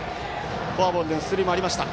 フォアボールでの出塁もありました。